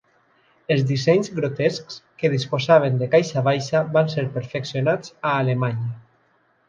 Els dissenys Grotescs que disposaven de caixa baixa van ser perfeccionats a Alemanya.